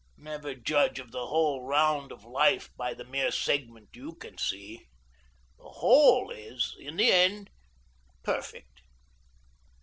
Never judge of the whole round of life by the mere segment you can see. The whole is, in the end, perfect."